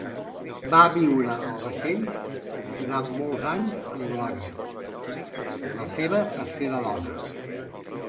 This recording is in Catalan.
Va viure al vaixell durant molts anys amb Gloria, la seva tercera dona.